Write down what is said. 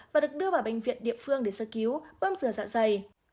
và được đưa vào bệnh viện địa phương để sơ cứu bơm dừa dạ dày